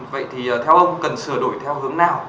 vậy thì theo ông cần sửa đổi theo hướng nào